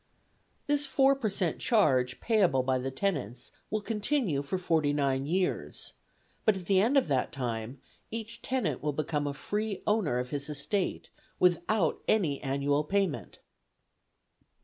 This £4 per cent. charge payable by the tenants will continue for forty nine years, but at the end of that time each tenant will become a free owner of his estate without any annual payment.